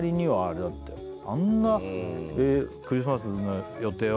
あんな「クリスマスの予定は？」。